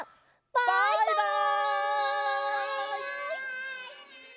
バイバイ！